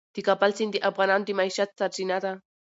د کابل سیند د افغانانو د معیشت سرچینه ده.